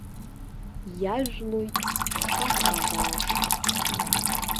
Иажәлоит хаха баашк.